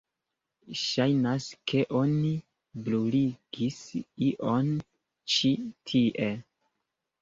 Ŝajnas ke oni bruligis ion ĉi tie.